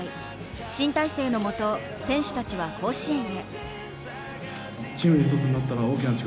新体制の下、選手たちは甲子園へ。